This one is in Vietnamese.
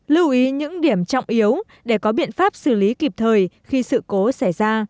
lưu ý những điểm trọng yếu để có biện pháp xử lý kịp thời khi sự cố xảy ra